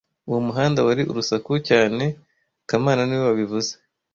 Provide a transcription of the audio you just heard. Uwo muhanda wari urusaku cyane kamana niwe wabivuze